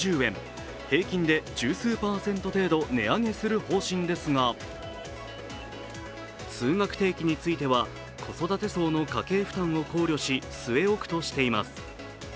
平均で十数パーセント程度値上げする方針ですが通学定期については、子育て層の家計負担を考慮し、据え置くとしています。